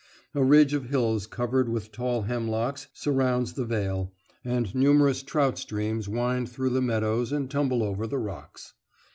A ridge of hills covered with tall hemlocks surrounds the vale, and numerous trout streams wind through the meadows and tumble over the rocks.